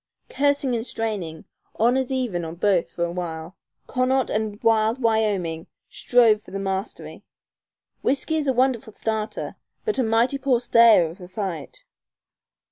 Cursing and straining, honors even on both for a while, Connaught and wild Wyoming strove for the mastery. Whiskey is a wonderful starter but a mighty poor stayer of a fight.